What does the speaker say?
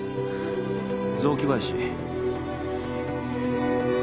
雑木林。